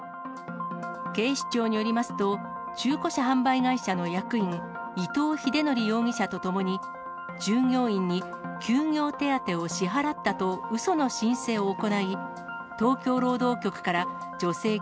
警視庁によりますと、中古車販売会社の役員、伊能英徳容疑者と共に、従業員に休業手当を支払ったとうその申請を行い、東京労働局から助成金